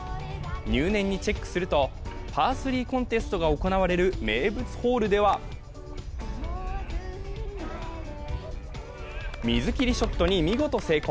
入念にチェックするとパー３コンテストが行われる名物ホールでは水切りショットに見事成功。